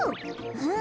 うん？